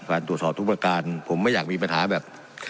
ตรวจสอบทุกประการผมไม่อยากมีปัญหาแบบ